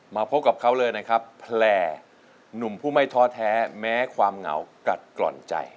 มาพบกับเขาเลยนะครับแผลหนุ่มผู้ไม่ท้อแท้แม้ความเหงากัดกล่อนใจ